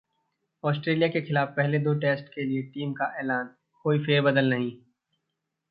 Australia के खिलाफ पहले दो टेस्ट के लिए टीम का ऐलान, कोई फेरबदल नहीं